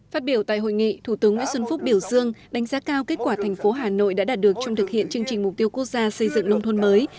phát biểu tại hội nghị thủ tướng nguyễn xuân phúc biểu dương đánh giá cao kết quả thành phố hà nội đã đạt được trong thực hiện chương trình mục tiêu quốc gia xây dựng nông thôn mới